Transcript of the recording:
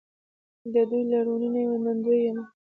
د دوی له لورینې منندوی یم.